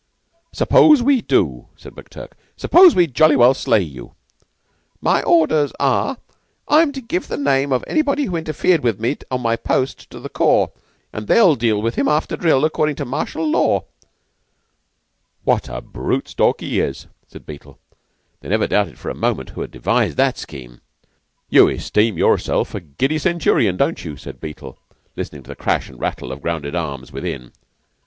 "S'pose we do?" said McTurk. "S'pose we jolly well slay you?" "My orders are, I am to give the name of anybody who interfered with me on my post, to the corps, an' they'd deal with him after drill, accordin' to martial law." "What a brute Stalky is!" said Beetle. They never doubted for a moment who had devised that scheme. "You esteem yourself a giddy centurion, don't you?" said Beetle, listening to the crash and rattle of grounded arms within.